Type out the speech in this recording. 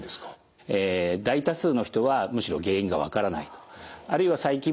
大多数の人はむしろ原因が分からないと。